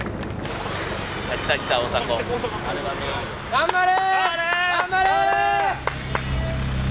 頑張れ！